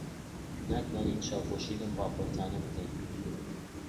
ناتوانین چاوپۆشی لەم ڕاپۆرتانە بکەین.